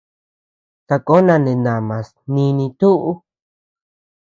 Sakón nindamas nini tuu.